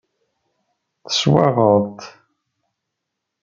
Teswaɣeḍ-t.